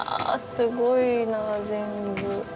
すごいな全部。